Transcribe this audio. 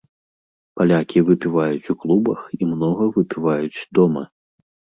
Палякі выпіваюць у клубах і многа выпіваюць дома.